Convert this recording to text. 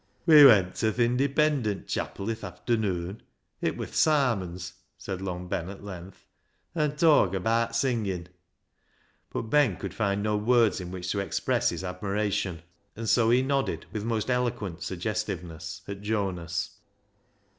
" We went to th' Independent Chapil i' th' afternoon ; it wur th' Sarmons," — said Long Ben at length, — "an' talk abaat singin' "— But Ben could find no words in which to express his admiration, and so he nodded with most elo quent suggestiveness at Jonas.